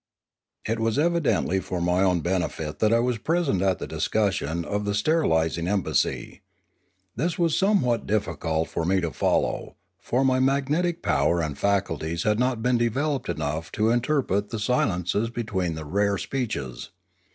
It was evidently for my own benefit that I was pre sent at the discussion of the sterilising embassy. This was somewhat difficult for me to follow, for my mag netic power and faculties had not been developed enough to interpret the silences between the rare 507 508 Limanora speeches.